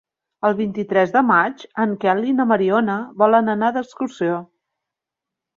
El vint-i-tres de maig en Quel i na Mariona volen anar d'excursió.